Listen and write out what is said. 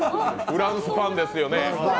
フランスパンですよね？